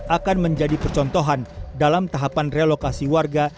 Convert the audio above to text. akan menjadi percontohan dalam tahapan relokasi warga